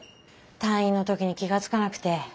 退院の時に気が付かなくて。